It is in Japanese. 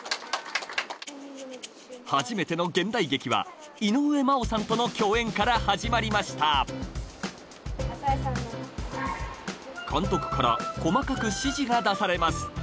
初めての現代劇は井上真央さんとの共演から始まりましたが出されます